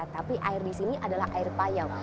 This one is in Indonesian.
tapi air di sini adalah air payau